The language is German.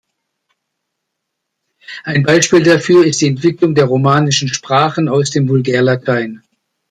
Ein Beispiel dafür ist die Entwicklung der romanischen Sprachen aus dem Vulgärlatein.